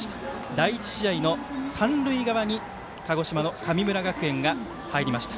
第１試合の、三塁側に鹿児島の神村学園が入りました。